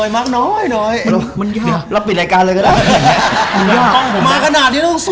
แล้วก็ว่าทำไมมากน้อย